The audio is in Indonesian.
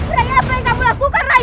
rai apa yang kamu lakukan rai